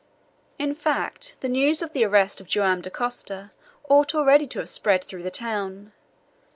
In fact, the news of the arrest of Joam Dacosta ought already to have spread through the town.